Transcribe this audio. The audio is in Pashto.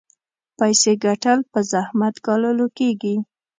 پيسې ګټل په زحمت ګاللو کېږي.